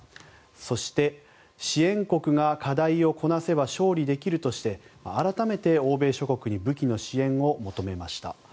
そして支援国が課題をこなせば勝利できるとして改めて欧米諸国に武器の支援を求めました。